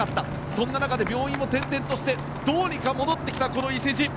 そんな中で病院を転々としてどうにか戻ってきたこの伊勢路。